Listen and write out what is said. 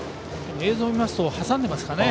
映像を見ますと挟んでますかね。